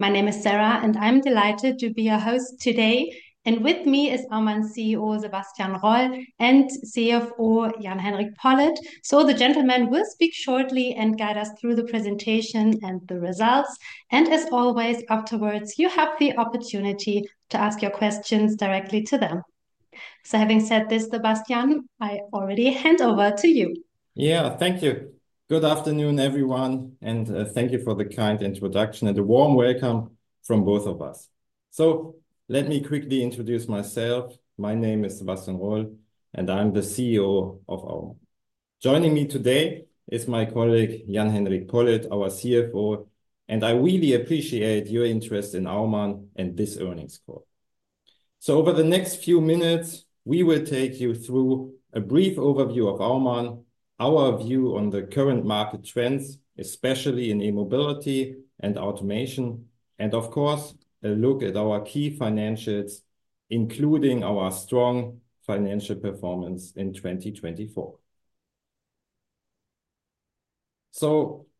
My name is Sarah, and I'm delighted to be your host today. With me is Aumann's CEO, Sebastian Roll, and CFO, Jan-Henrik Pollitt, so the gentlemen will speak shortly and guide us through the presentation and the results. As always, afterwards, you have the opportunity to ask your questions directly to them. Having said this, Sebastian, I already hand over to you. Yeah, thank you. Good afternoon, everyone, and thank you for the kind introduction and a warm welcome from both of us. Let me quickly introduce myself. My name is Sebastian Roll, and I'm the CEO of Aumann. Joining me today is my colleague, Jan-Henrik Pollitt, our CFO, and I really appreciate your interest in Aumann and this earnings call. Over the next few minutes, we will take you through a brief overview of Aumann, our view on the current market trends, especially in E-mobility and automation, and of course, a look at our key financials, including our strong financial performance in 2024.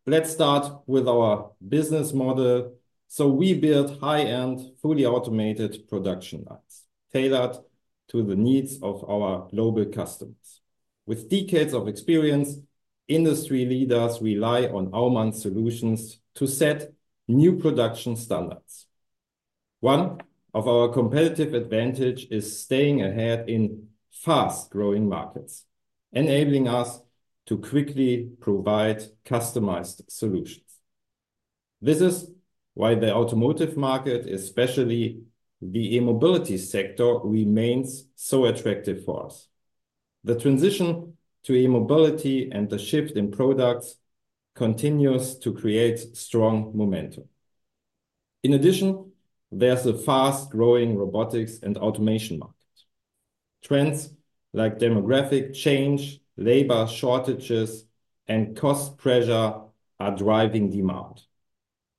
Let's start with our business model. We build high-end, fully automated production lines tailored to the needs of our global customers. With decades of experience, industry leaders rely on Aumann's solutions to set new production standards. One of our competitive advantages is staying ahead in fast-growing markets, enabling us to quickly provide customized solutions. This is why the automotive market, especially the E-mobility sector, remains so attractive for us. The transition to E-mobility and the shift in products continues to create strong momentum. In addition, there is a fast-growing robotics and automation market. Trends like demographic change, labor shortages, and cost pressure are driving demand.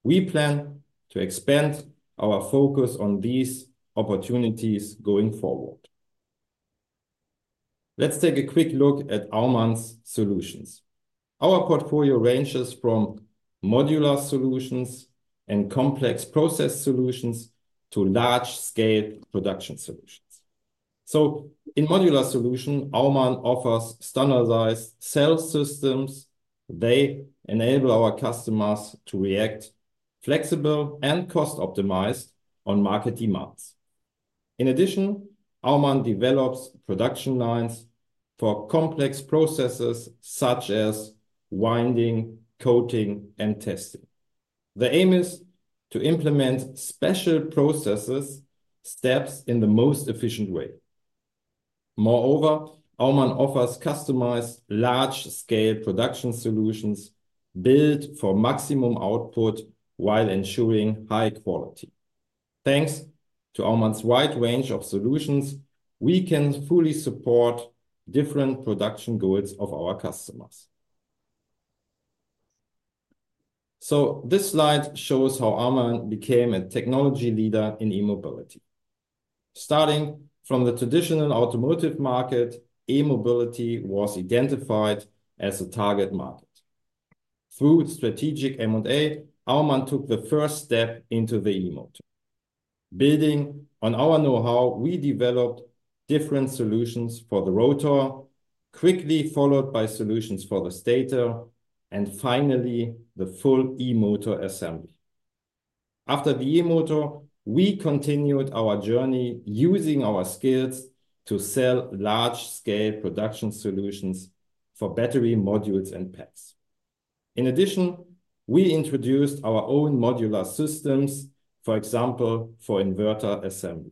We plan to expand our focus on these opportunities going forward. Let's take a quick look at Aumann's solutions. Our portfolio ranges from modular solutions and complex process solutions to large-scale production solutions. In modular solutions, Aumann offers standardized cell systems. They enable our customers to react flexibly and cost-optimized on market demands. In addition, Aumann develops production lines for complex processes such as winding, coating, and testing. The aim is to implement special process steps in the most efficient way. Moreover, Aumann offers customized large-scale production solutions built for maximum output while ensuring high quality. Thanks to Aumann's wide range of solutions, we can fully support different production goals of our customers. This slide shows how Aumann became a technology leader in e-mobility. Starting from the traditional automotive market, E-mobility was identified as a target market. Through strategic M&A, Aumann took the first step into the e-motor. Building on our know-how, we developed different solutions for the rotor, quickly followed by solutions for the stator, and finally the full e-motor assembly. After the e-motor, we continued our journey using our skills to sell large-scale production solutions for battery modules and packs. In addition, we introduced our own modular systems, for example, for inverter assembly.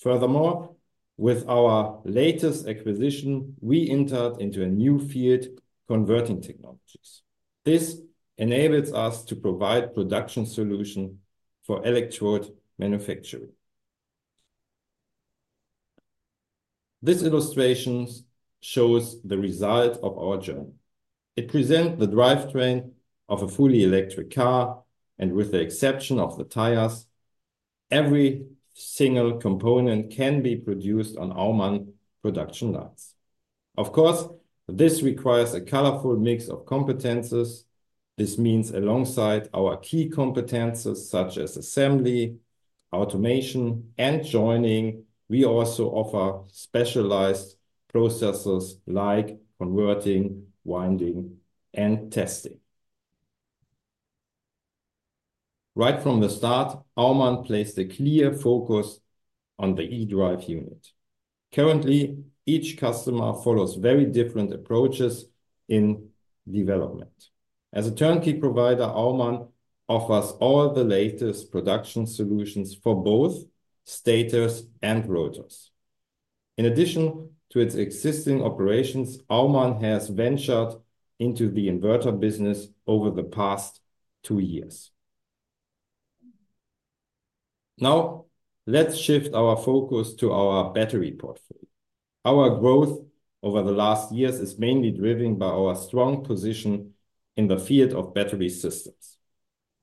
Furthermore, with our latest acquisition, we entered into a new field, converting technologies. This enables us to provide production solutions for electrode manufacturing. This illustration shows the result of our journey. It presents the drivetrain of a fully electric car, and with the exception of the tires, every single component can be produced on Aumann production lines. Of course, this requires a colorful mix of competencies. This means alongside our key competencies such as assembly, automation, and joining, we also offer specialized processes like converting, winding, and testing. Right from the start, Aumann placed a clear focus on the eDrive unit. Currently, each customer follows very different approaches in development. As a turnkey provider, Aumann offers all the latest production solutions for both stators and rotors. In addition to its existing operations, Aumann has ventured into the inverter business over the past two years. Now, let's shift our focus to our battery portfolio. Our growth over the last years is mainly driven by our strong position in the field of battery systems.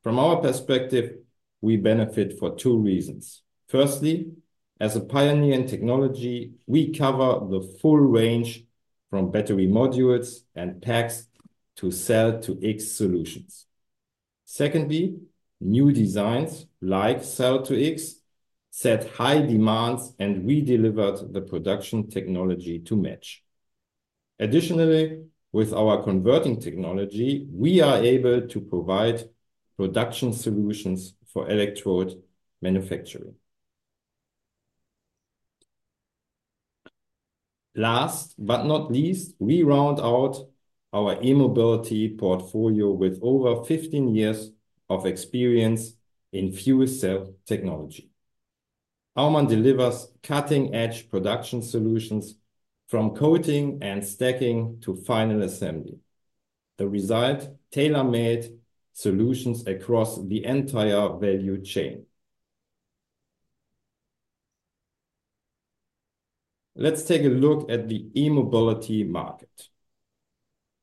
From our perspective, we benefit for two reasons. Firstly, as a pioneer in technology, we cover the full range from battery modules and packs to cell-to-X solutions. Secondly, new designs like cell-to-X set high demands and we delivered the production technology to match. Additionally, with our converting technology, we are able to provide production solutions for electrode manufacturing. Last but not least, we round out our E-mobility portfolio with over 15 years of experience in fuel cell technology. Aumann delivers cutting-edge production solutions from coating and stacking to final assembly. The result: tailor-made solutions across the entire value chain. Let's take a look at the E-mobility market.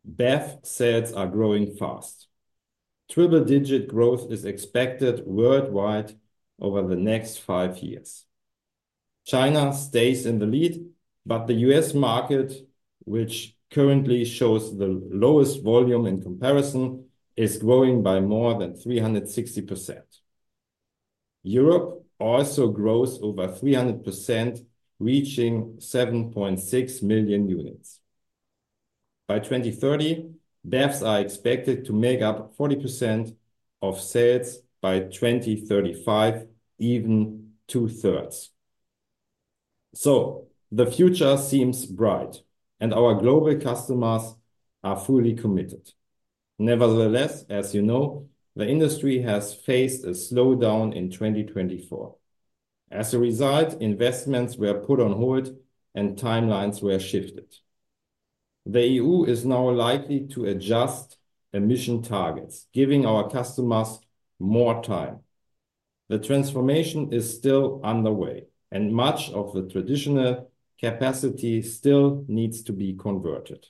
BEV sales are growing fast. Triple-digit growth is expected worldwide over the next five years. China stays in the lead, but the U.S. market, which currently shows the lowest volume in comparison, is growing by more than 360%. Europe also grows over 300%, reaching 7.6 million units. By 2030, BEVs are expected to make up 40% of sales; by 2035, even two-thirds. The future seems bright, and our global customers are fully committed. Nevertheless, as you know, the industry has faced a slowdown in 2024. As a result, investments were put on hold and timelines were shifted. The E.U. is now likely to adjust emission targets, giving our customers more time. The transformation is still underway, and much of the traditional capacity still needs to be converted.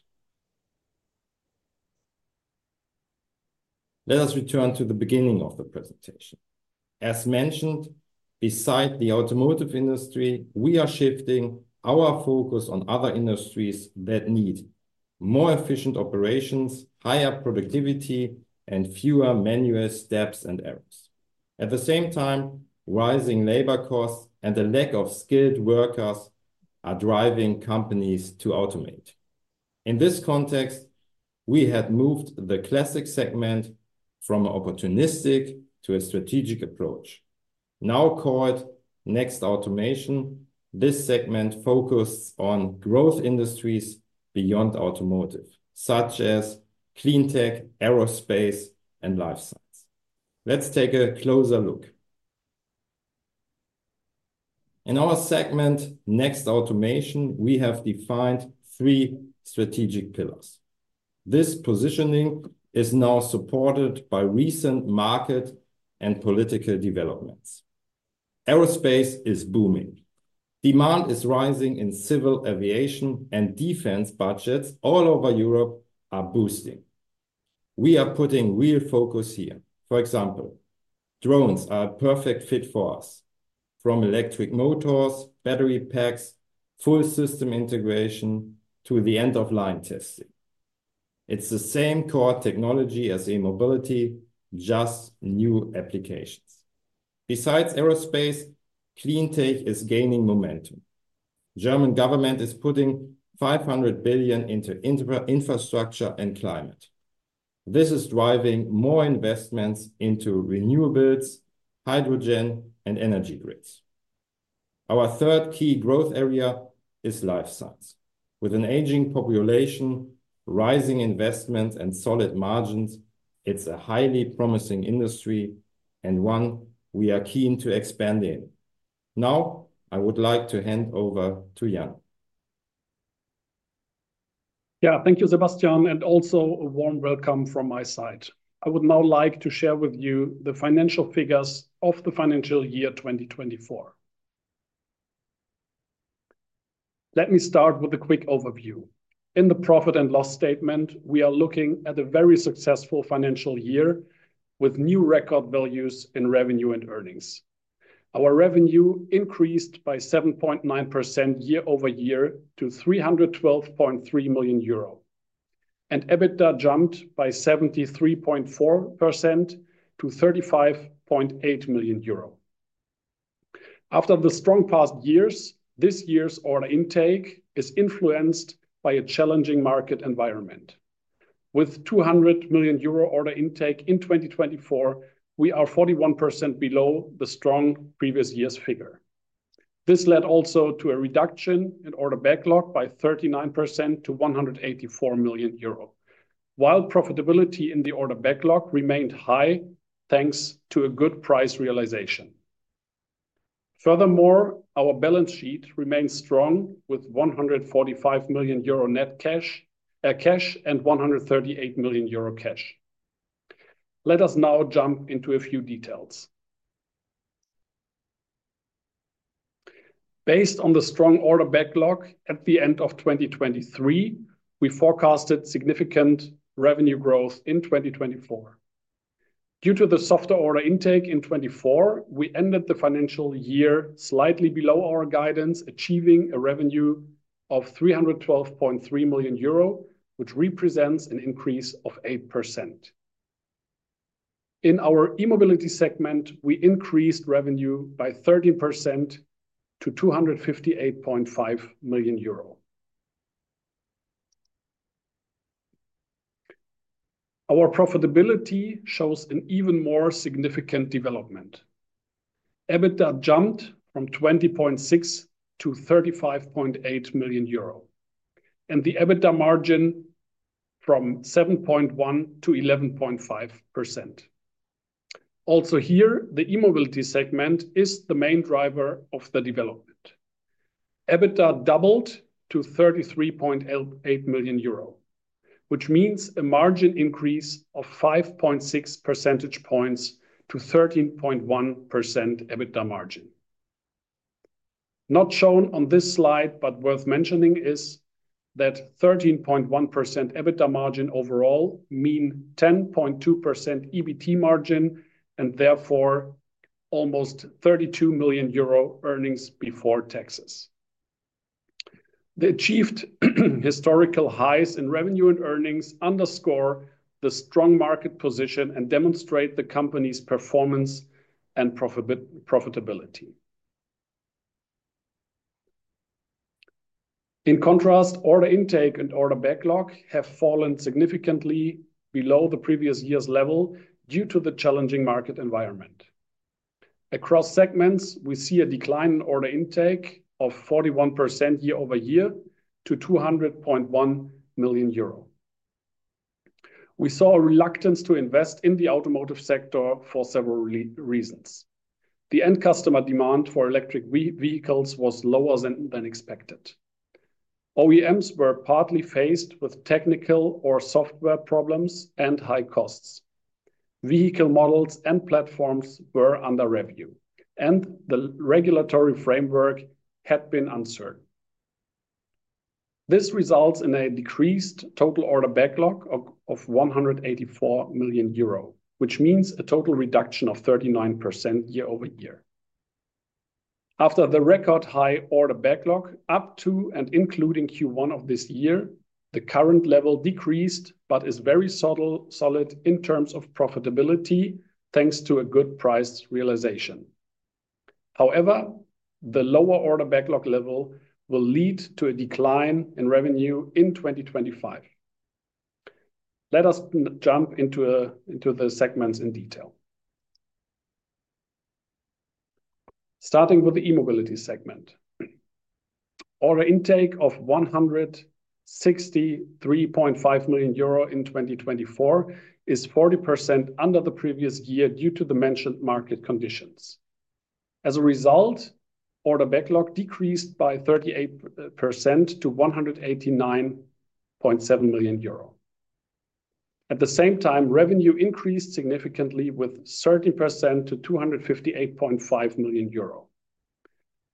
Let us return to the beginning of the presentation. As mentioned, beside the automotive industry, we are shifting our focus on other industries that need more efficient operations, higher productivity, and fewer manual steps and errors. At the same time, rising labor costs and the lack of skilled workers are driving companies to automate. In this context, we had moved the classic segment from an opportunistic to a strategic approach. Now called Next Automation, this segment focuses on growth industries beyond automotive, such as clean tech, aerospace, and life science. Let's take a closer look. In our segment, Next Automation, we have defined three strategic pillars. This positioning is now supported by recent market and political developments. Aerospace is booming. Demand is rising in civil aviation and defense budgets all over Europe are boosting. We are putting real focus here. For example, drones are a perfect fit for us, from electric motors, battery packs, full system integration, to the end-of-line testing. It's the same core technology as E-mobility, just new applications. Besides aerospace, clean tech is gaining momentum. The German government is putting 500 billion into infrastructure and climate. This is driving more investments into renewables, hydrogen, and energy grids. Our third key growth area is life science. With an aging population, rising investments, and solid margins, it's a highly promising industry and one we are keen to expand in. Now, I would like to hand over to Jan. Yeah, thank you, Sebastian, and also a warm welcome from my side. I would now like to share with you the financial figures of the financial year 2024. Let me start with a quick overview. In the profit and loss statement, we are looking at a very successful financial year with new record values in revenue and earnings. Our revenue increased by 7.9% year-over-year to 312.3 million euro, and EBITDA jumped by 73.4% to 35.8 million euro. After the strong past years, this year's order intake is influenced by a challenging market environment. With 200 million euro order intake in 2024, we are 41% below the strong previous year's figure. This led also to a reduction in order backlog by 39% to 184 million euro, while profitability in the order backlog remained high thanks to a good price realization. Furthermore, our balance sheet remains strong with 145 million euro net cash and 138 million euro cash. Let us now jump into a few details. Based on the strong order backlog at the end of 2023, we forecasted significant revenue growth in 2024. Due to the softer order intake in 2024, we ended the financial year slightly below our guidance, achieving a revenue of 312.3 million euro, which represents an increase of 8%. In our E-mobility segment, we increased revenue by 13% to 258.5 million euro. Our profitability shows an even more significant development. EBITDA jumped from 20.6 million to 35.8 million euro, and the EBITDA margin from 7.1% to 11.5%. Also here, the e-mobility segment is the main driver of the development. EBITDA doubled to 33.8 million euro, which means a margin increase of 5.6 percentage points to 13.1% EBITDA margin. Not shown on this slide, but worth mentioning is that 13.1% EBITDA margin overall means 10.2% EBIT margin and therefore almost 32 million euro earnings before taxes. The achieved historical highs in revenue and earnings underscore the strong market position and demonstrate the company's performance and profitability. In contrast, order intake and order backlog have fallen significantly below the previous year's level due to the challenging market environment. Across segments, we see a decline in order intake of 41% year-over-year to 200.1 million euro. We saw a reluctance to invest in the automotive sector for several reasons. The end customer demand for electric vehicles was lower than expected. OEMs were partly faced with technical or software problems and high costs. Vehicle models and platforms were under review, and the regulatory framework had been uncertain. This results in a decreased total order backlog of 184 million euro, which means a total reduction of 39% year-over-year. After the record high order backlog up to and including Q1 of this year, the current level decreased but is very solid in terms of profitability thanks to a good price realization. However, the lower order backlog level will lead to a decline in revenue in 2025. Let us jump into the segments in detail. Starting with the E-mobility segment. Order intake of 163.5 million euro in 2024 is 40% under the previous year due to the mentioned market conditions. As a result, order backlog decreased by 38% to 189.7 million euro. At the same time, revenue increased significantly with 30% to 258.5 million euro,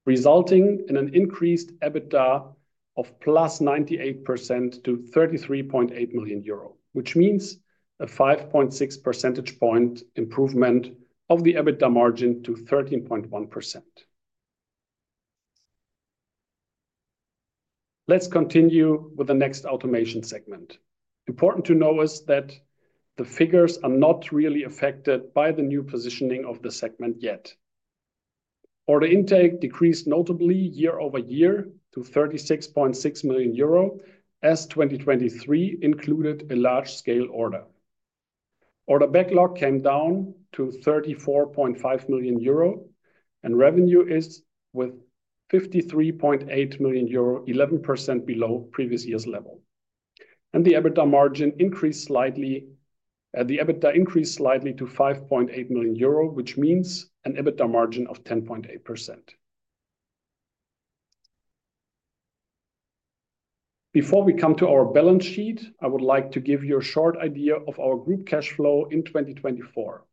resulting in an increased EBITDA of plus 98% to 33.8 million euro, which means a 5.6 percentage point improvement of the EBITDA margin to 13.1%. Let's continue with the Next Automation segment. Important to know is that the figures are not really affected by the new positioning of the segment yet. Order intake decreased notably year-over-year to 36.6 million euro as 2023 included a large-scale order. Order backlog came down to 34.5 million euro, and revenue is with 53.8 million euro, 11% below previous year's level. The EBITDA margin increased slightly to 5.8 million euro, which means an EBITDA margin of 10.8%. Before we come to our balance sheet, I would like to give you a short idea of our group cash flow in 2024.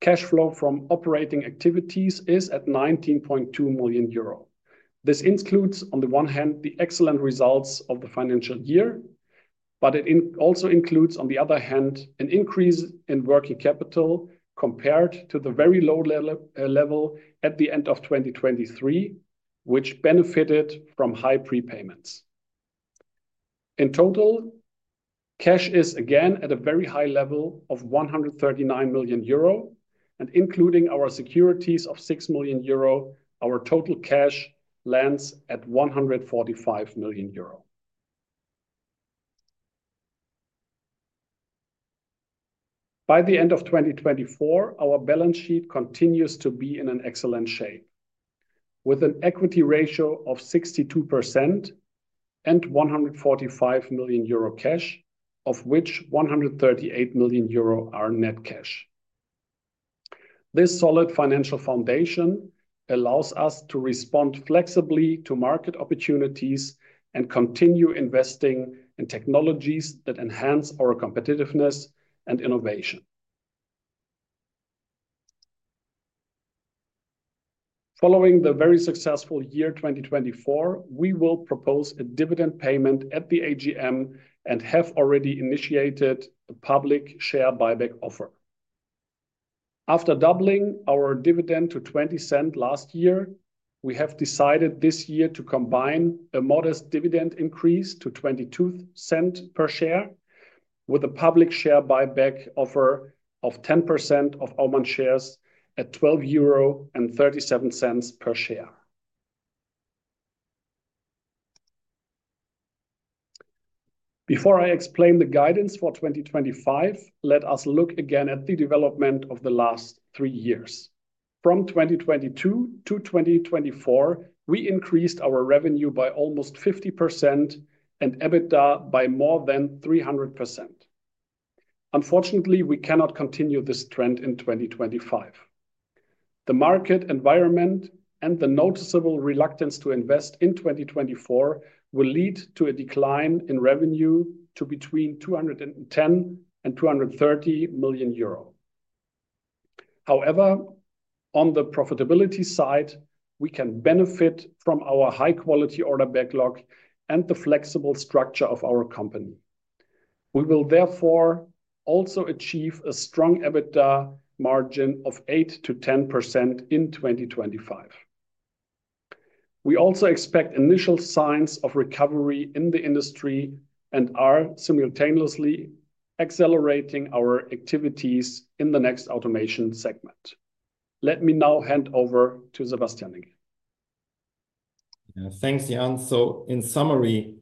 Cash flow from operating activities is at 19.2 million euro. This includes, on the one hand, the excellent results of the financial year, but it also includes, on the other hand, an increase in working capital compared to the very low level at the end of 2023, which benefited from high prepayments. In total, cash is again at a very high level of 139 million euro, and including our securities of 6 million euro, our total cash lands at 145 million euro. By the end of 2024, our balance sheet continues to be in excellent shape, with an equity ratio of 62% and 145 million euro cash, of which 138 million euro are net cash. This solid financial foundation allows us to respond flexibly to market opportunities and continue investing in technologies that enhance our competitiveness and innovation. Following the very successful year 2024, we will propose a dividend payment at the AGM and have already initiated a public share buyback offer. After doubling our dividend to 0.20 last year, we have decided this year to combine a modest dividend increase to 0.22 per share with a public share buyback offer of 10% of Aumann shares at 12.37 euro per share. Before I explain the guidance for 2025, let us look again at the development of the last three years. From 2022 to 2024, we increased our revenue by almost 50% and EBITDA by more than 300%. Unfortunately, we cannot continue this trend in 2025. The market environment and the noticeable reluctance to invest in 2024 will lead to a decline in revenue to between 210 million and 230 million euro. However, on the profitability side, we can benefit from our high-quality order backlog and the flexible structure of our company. We will therefore also achieve a strong EBITDA margin of 8-10% in 2025. We also expect initial signs of recovery in the industry and are simultaneously accelerating our activities in the Next Automation segment. Let me now hand over to Sebastian again. Thanks, Jan. In summary,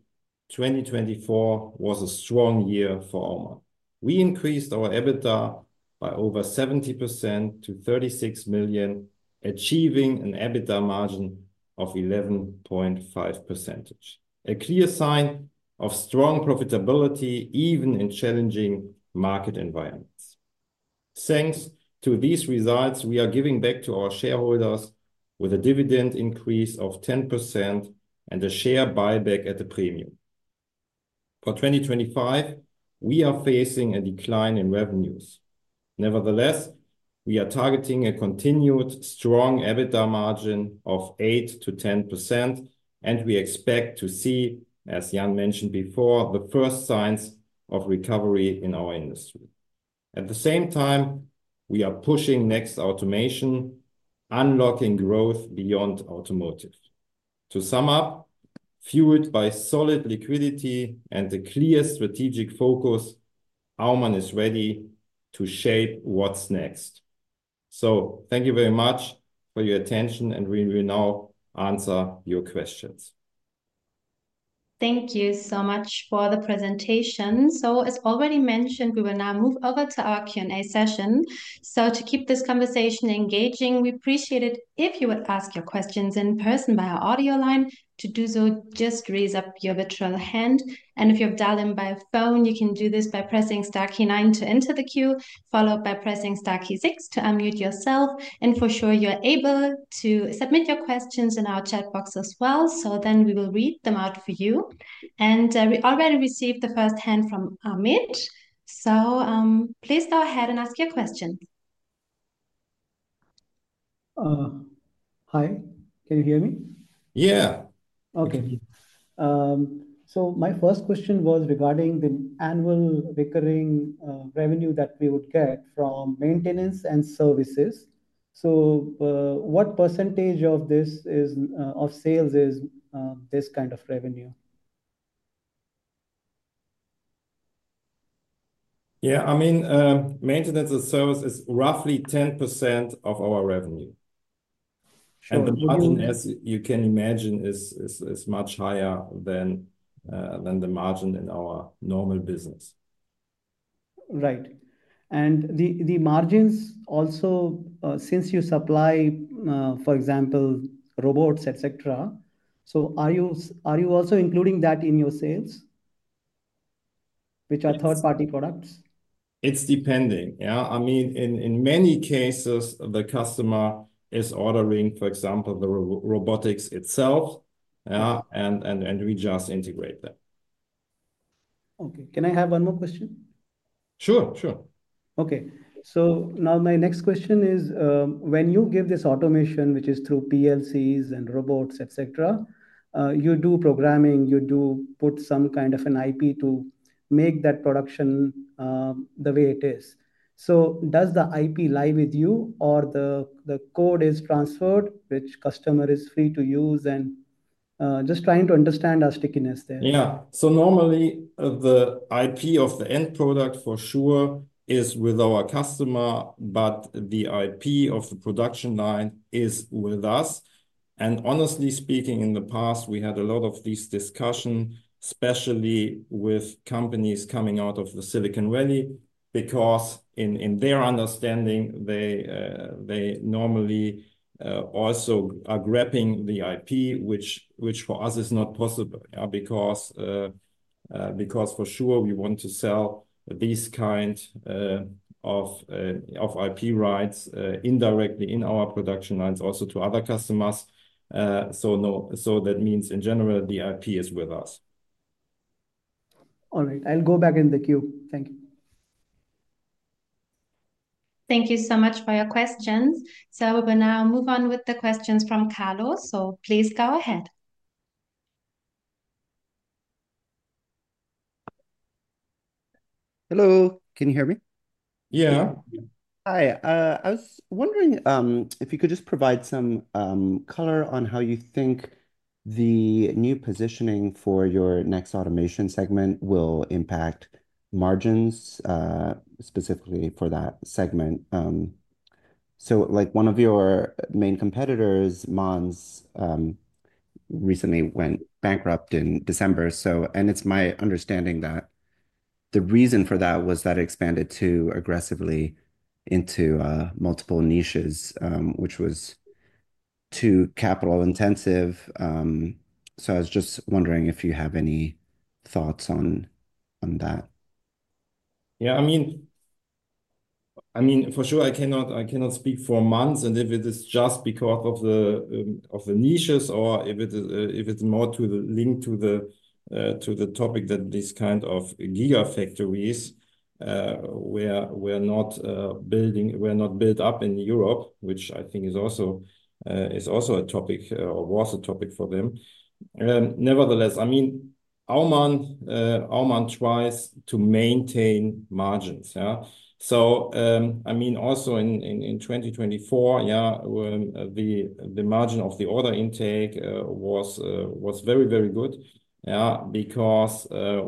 2024 was a strong year for Aumann. We increased our EBITDA by over 70% to 36 million, achieving an EBITDA margin of 11.5%, a clear sign of strong profitability even in challenging market environments. Thanks to these results, we are giving back to our shareholders with a dividend increase of 10% and a share buyback at the premium. For 2025, we are facing a decline in revenues. Nevertheless, we are targeting a continued strong EBITDA margin of 8-10%, and we expect to see, as Jan mentioned before, the first signs of recovery in our industry. At the same time, we are pushing Next Automation, unlocking growth beyond automotive. To sum up, fueled by solid liquidity and the clear strategic focus, Aumann is ready to shape what's next. Thank you very much for your attention, and we will now answer your questions. Thank you so much for the presentation. As already mentioned, we will now move over to our Q&A session. To keep this conversation engaging, we appreciate it if you would ask your questions in person by our audio line. To do so, just raise up your virtual hand. If you have dialed in by phone, you can do this by pressing the star key nine to enter the queue, followed by pressing the star key six to unmute yourself. For sure, you are able to submit your questions in our chat box as well. We will read them out for you. We already received the first hand from Amit. Please go ahead and ask your question. Hi. Can you hear me? Yeah. Okay. My first question was regarding the annual recurring revenue that we would get from maintenance and services. What percentage of sales is this kind of revenue? Yeah, I mean, maintenance and service is roughly 10% of our revenue. The margin, as you can imagine, is much higher than the margin in our normal business. Right. And the margins also, since you supply, for example, robots, et cetera, are you also including that in your sales, which are third-party products? It's depending. Yeah. I mean, in many cases, the customer is ordering, for example, the robotics itself, and we just integrate them. Okay. Can I have one more question? Sure, sure. Okay. My next question is, when you give this automation, which is through PLCs and robots, et cetera, you do programming, you do put some kind of an IP to make that production the way it is. Does the IP lie with you or the code is transferred, which customer is free to use? I am just trying to understand our stickiness there. Yeah. Normally, the IP of the end product for sure is with our customer, but the IP of the production line is with us. Honestly speaking, in the past, we had a lot of these discussions, especially with companies coming out of Silicon Valley, because in their understanding, they normally also are grabbing the IP, which for us is not possible because for sure we want to sell these kinds of IP rights indirectly in our production lines also to other customers. That means in general, the IP is with us. All right. I'll go back in the queue. Thank you. Thank you so much for your questions. We will now move on with the questions from Carlos. Please go ahead. Hello. Can you hear me? Yeah. Hi. I was wondering if you could just provide some color on how you think the new positioning for your Next Automation segment will impact margins specifically for that segment. One of your main competitors, Manz recently went bankrupt in December. It is my understanding that the reason for that was that it expanded too aggressively into multiple niches, which was too capital-intensive. I was just wondering if you have any thoughts on that. Yeah. I mean, for sure, I cannot speak for Manz. And if it is just because of the niches or if it's more linked to the topic that these kinds of gigafactories were not built up in Europe, which I think is also a topic or was a topic for them. Nevertheless, I mean, Aumann tries to maintain margins. I mean, also in 2024, the margin of the order intake was very, very good because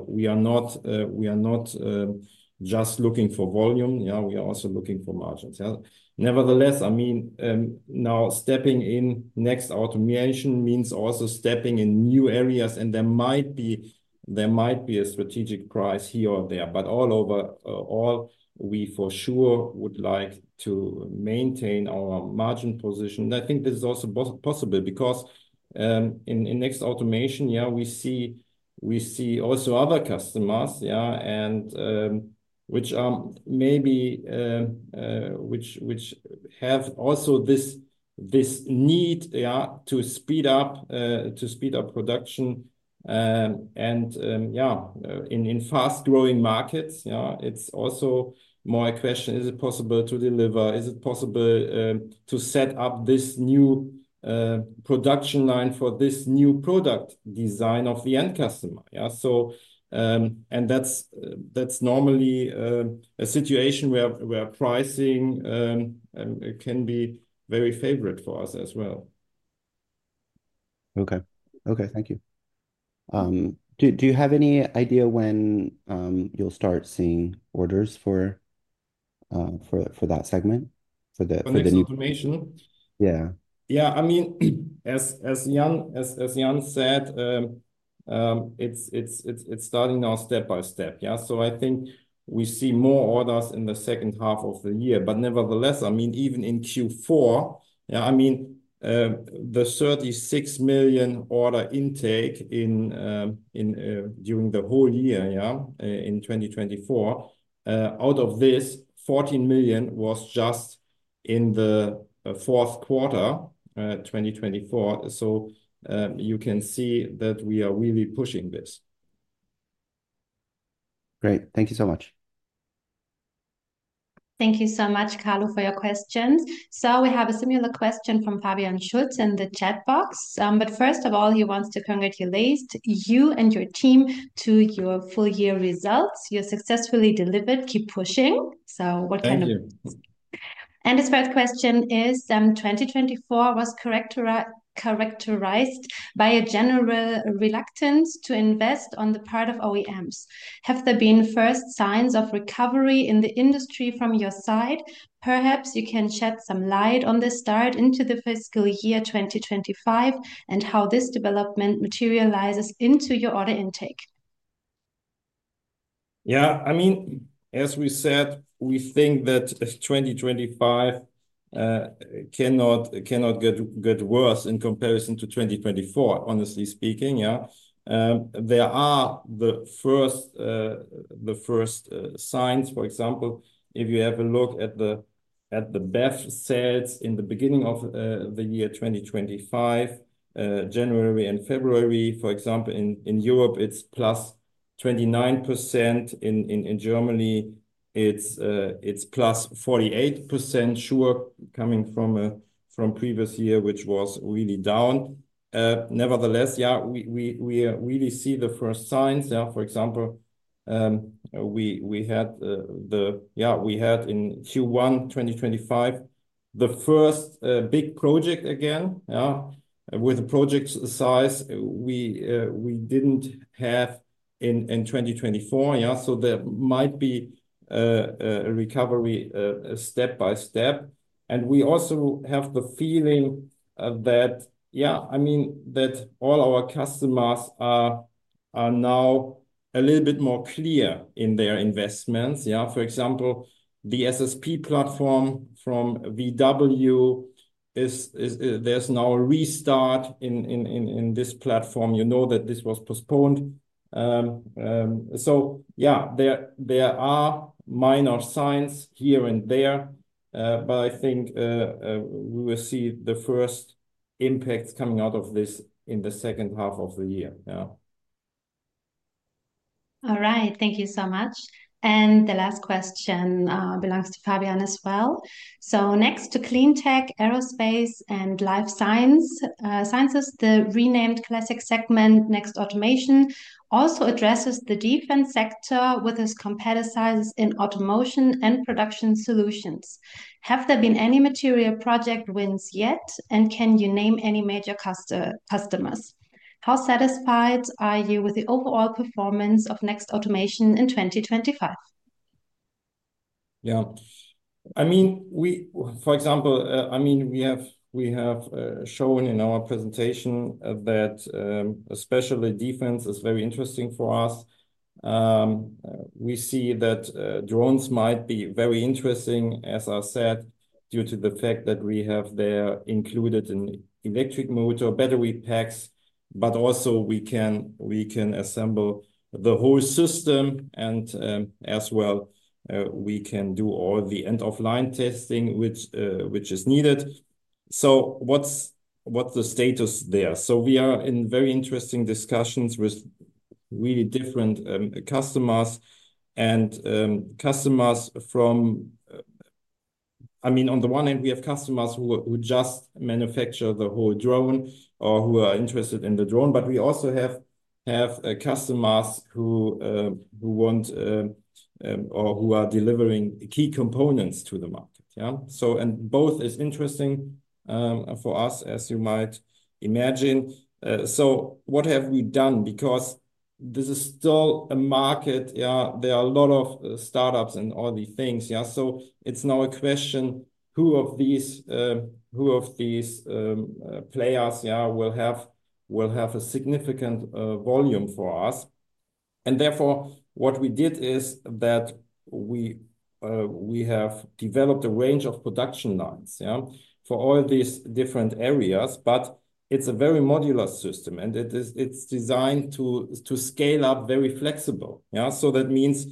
we are not just looking for volume. We are also looking for margins. Nevertheless, I mean, now stepping in Next Automation means also stepping in new areas. There might be a strategic price here or there. All overall, we for sure would like to maintain our margin position. I think this is also possible because in Next Automation, we see also other customers, which maybe have also this need to speed up production. In fast-growing markets, it's also more a question, is it possible to deliver? Is it possible to set up this new production line for this new product design of the end customer? That's normally a situation where pricing can be very favorable for us as well. Okay. Okay. Thank you. Do you have any idea when you'll start seeing orders for that segment, for the new? For Next Automation? Yeah. Yeah. I mean, as Jan said, it's starting now step by step. I think we see more orders in the second half of the year. Nevertheless, I mean, even in Q4, the 36 million order intake during the whole year in 2024, out of this, 14 million was just in the fourth quarter 2024. You can see that we are really pushing this. Great. Thank you so much. Thank you so much, Carlos, for your questions. We have a similar question from Fabian Schultz in the chat box. First of all, he wants to congratulate you and your team to your full-year results. You successfully delivered. Keep pushing. What kind of. Thank you. His first question is, 2024 was characterized by a general reluctance to invest on the part of OEMs. Have there been first signs of recovery in the industry from your side? Perhaps you can shed some light on the start into the fiscal year 2025 and how this development materializes into your order intake. Yeah. I mean, as we said, we think that 2025 cannot get worse in comparison to 2024, honestly speaking. There are the first signs. For example, if you have a look at the BEV sales in the beginning of the year 2025, January and February, for example, in Europe, it's plus 29%. In Germany, it's plus 48%, sure, coming from a previous year, which was really down. Nevertheless, yeah, we really see the first signs. For example, we had in Q1 2025, the first big project again with a project size we didn't have in 2024. There might be a recovery step by step. We also have the feeling that, yeah, I mean, that all our customers are now a little bit more clear in their investments. For example, the SSP platform from Volkswagen, there's now a restart in this platform. You know that this was postponed. Yeah, there are minor signs here and there. I think we will see the first impacts coming out of this in the second half of the year. All right. Thank you so much. The last question belongs to Fabian as well. Next to clean tech, aerospace, and life sciences, the renamed classic segment, Next Automation, also addresses the defense sector with its competitive sizes in automation and production solutions. Have there been any material project wins yet? Can you name any major customers? How satisfied are you with the overall performance of Next Automation in 2025? Yeah. I mean, for example, I mean, we have shown in our presentation that especially defense is very interesting for us. We see that drones might be very interesting, as I said, due to the fact that we have there included in electric motor battery packs, but also we can assemble the whole system. As well, we can do all the end-of-line testing, which is needed. What is the status there? We are in very interesting discussions with really different customers and customers from, I mean, on the one hand, we have customers who just manufacture the whole drone or who are interested in the drone. We also have customers who want or who are delivering key components to the market. Both are interesting for us, as you might imagine. What have we done? Because this is still a market. There are a lot of startups and all these things. It is now a question who of these players will have a significant volume for us. Therefore, what we did is that we have developed a range of production lines for all these different areas. It is a very modular system. It is designed to scale up very flexible. That means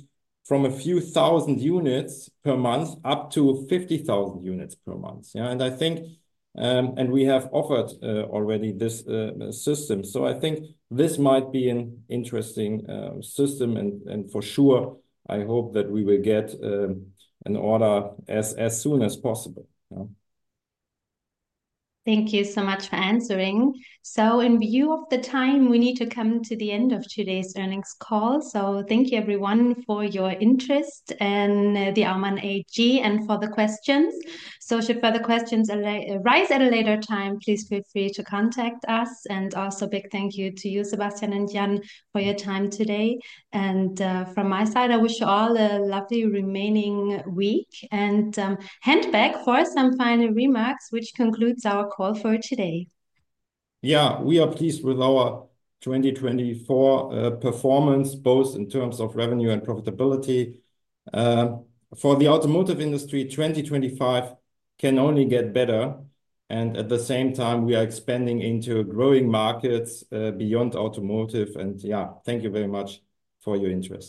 from a few thousand units per month up to 50,000 units per month. I think, and we have offered already this system. I think this might be an interesting system. For sure, I hope that we will get an order as soon as possible. Thank you so much for answering. In view of the time, we need to come to the end of today's earnings call. Thank you, everyone, for your interest in Aumann AG and for the questions. Should further questions arise at a later time, please feel free to contact us. Also, big thank you to you, Sebastian and Jan, for your time today. From my side, I wish you all a lovely remaining week. I hand back for some final remarks, which concludes our call for today. Yeah. We are pleased with our 2024 performance, both in terms of revenue and profitability. For the automotive industry, 2025 can only get better. At the same time, we are expanding into growing markets beyond automotive. Yeah, thank you very much for your interest.